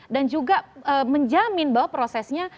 dan juga menjamin bahwa prosesnya